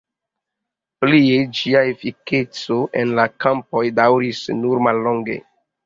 Plie, ĝia efikeco en la kampoj daŭris nur mallonge.